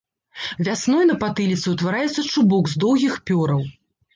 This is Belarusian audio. Вясной на патыліцы ўтвараецца чубок з доўгіх пёраў.